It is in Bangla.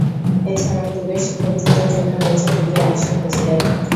এছাড়াও দূরের শিক্ষার্থীদের জন্য রয়েছে দুইটি আবাসিক হোস্টেল।